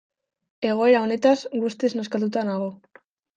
Egoera honetaz guztiz nazkatuta nago.